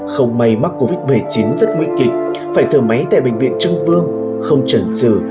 không may mắc covid một mươi chín rất nguy kịch phải thờ máy tại bệnh viện trân vương không trần trừ